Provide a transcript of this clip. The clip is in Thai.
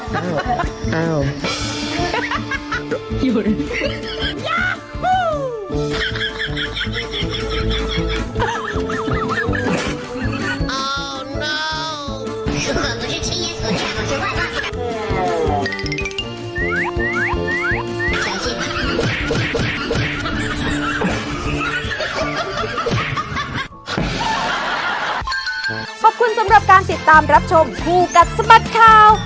ขอบคุณสำหรับการติดตามรับชมคู่กัดสะบัดข่าว